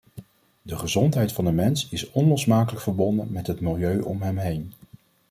De gezondheid van de mens is onlosmakelijk verbonden met het milieu om hem heen.